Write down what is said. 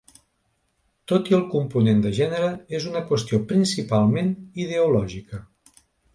Tot i el component de gènere, és una qüestió principalment ideològica.